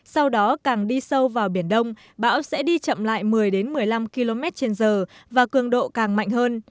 sau đó càng đi sâu vào biển đông bão sẽ đi chậm lại một mươi một mươi năm km trên giờ và cường độ càng mạnh hơn